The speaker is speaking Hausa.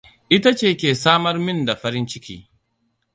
Ita ce ke samar min da farinciki.